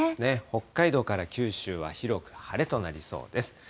北海道から九州は広く晴れとなりそうです。